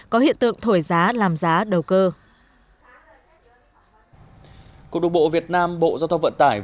có hiện tượng thổi giá làm giá đầu cơ